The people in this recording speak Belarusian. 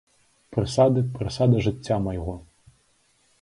Прысады, прысады жыцця майго!